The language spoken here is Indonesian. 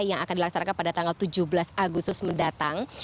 yang akan dilaksanakan pada tanggal tujuh belas agustus mendatang